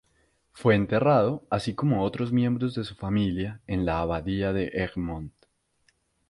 Fue enterrado, así como otros miembros de su familia, en la abadía de Egmond.